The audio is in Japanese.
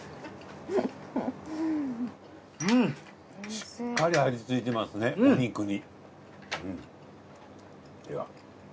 しっかり味ついてますねお肉に。